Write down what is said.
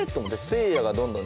せいやがどんどん。